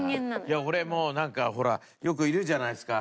いや俺もうなんかほらよくいるじゃないですか。